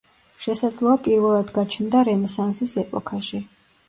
შესაძლოა პირველად გაჩნდა რენესანსის ეპოქაში.